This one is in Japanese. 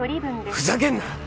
ふざけんな！